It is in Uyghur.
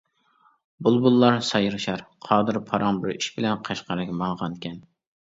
بۇلبۇللار سايرىشار. قادىر پاراڭ بىر ئىش بىلەن قەشقەرگە ماڭغانىكەن.